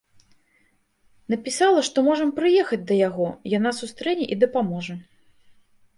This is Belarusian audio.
Напісала, што можам прыехаць да яго, яна сустрэне і дапаможа.